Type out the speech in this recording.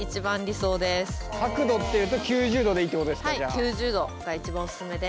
はい９０度が一番おすすめです。